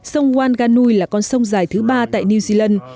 sông wanganui là con sông dài thứ ba tại new zealand